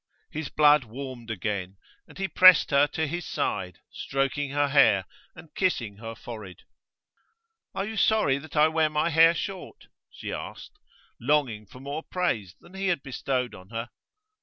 His blood warmed again, and he pressed her to his side, stroking her hair and kissing her forehead. 'Are you sorry I wear my hair short?' she asked, longing for more praise than he had bestowed on her.